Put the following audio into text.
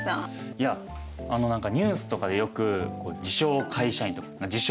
いやあの何かニュースとかでよく自称会社員とか自称